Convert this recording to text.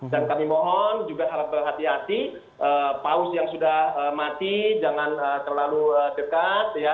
dan kami mohon juga harus berhati hati paus yang sudah mati jangan terlalu dekat ya